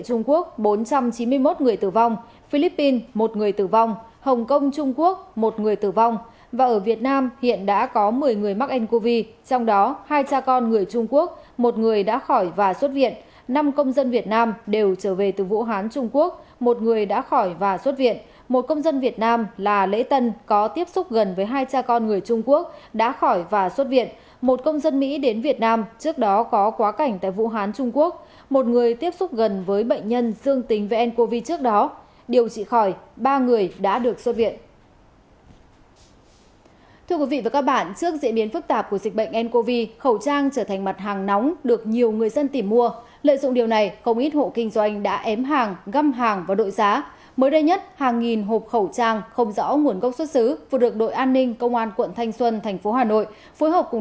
hàng nghìn hộp khẩu trang không rõ nguồn gốc xuất xứ vừa được đội an ninh công an quận thanh xuân tp hcm phối hợp cùng đội quản lý thị trường số một mươi hai cục quản lý thị trường hà nội phát hiện thu giữ sau khi kiểm tra đột xuất một công ty kinh doanh vận chuyển hàng hóa trên địa bàn quận thanh xuân